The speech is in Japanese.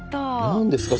何ですか？